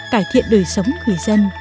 cải thiện đời sống người dân